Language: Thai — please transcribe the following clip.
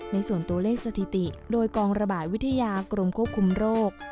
ในส่วนตัวเลขสถิติโดยกองระบาดวิทยากรมควบคุมโรค